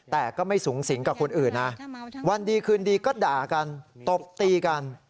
แต่ก็ไม่สูงสิงกับคนอื่นนะวันดีคืนดีก็ด่ากันตบตีกัน